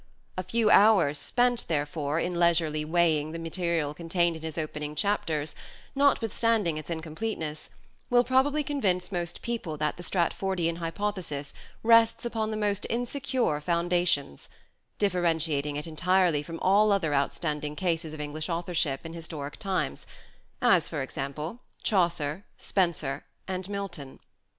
A few hours spent, therefore, in leisurely weighing the material contained in his opening chapters, notwithstanding its incompleteness, will probably convince most people that the Stratfordian hypothesis rests upon the most insecure foundations : differen tiating it entirely from all other outstanding cases of English authorship in historic times, as for example, Chaucer, Spenser and Milton.